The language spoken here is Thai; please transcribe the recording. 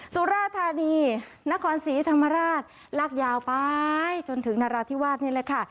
สุราธานีนครศรีธรรมราชลากยาวไปจนถึงนราธิวาสนี่แหละค่ะ